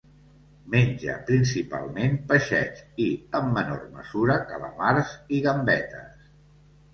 Menja principalment peixets i, en menor mesura, calamars i gambetes.